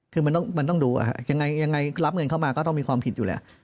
คือมันต้องดูยังไงรับเงินเข้ามาก็ต้องมีความผิดอยู่แล้ว